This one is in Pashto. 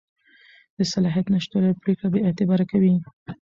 د صلاحیت نشتوالی پرېکړه بېاعتباره کوي.